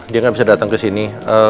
dia gabisa dateng kesini